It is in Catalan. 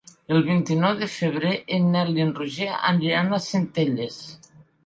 El vint-i-nou de febrer en Nel i en Roger aniran a Centelles.